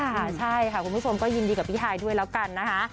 ค่ะใช่ค่ะคุณผู้ชมก็ยินดีกับพี่ฮายด้วยแล้วกันนะคะ